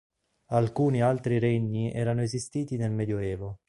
Alcuni altri regni erano esistiti nel Medioevo.